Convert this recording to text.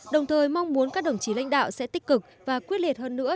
đồng thời mong muốn các đồng chí lãnh đạo sẽ tích cực và quyết liệt hơn nữa